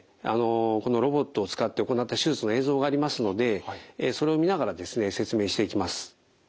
このロボットを使って行った手術の映像がありますのでそれを見ながらですね説明していきます。